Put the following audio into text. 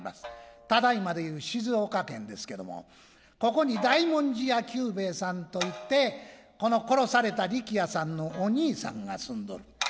只今でいう静岡県ですけどもここに大文字屋久兵衛さんと言ってこの殺された力弥さんのお兄さんが住んどる。